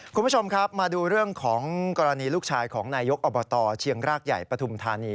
คุณผู้ชมครับมาดูเรื่องของกรณีลูกชายของนายยกอบตเชียงรากใหญ่ปฐุมธานี